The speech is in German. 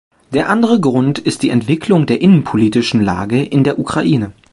Der andere Grund ist die Entwicklung der innenpolitischen Lage in der Ukraine.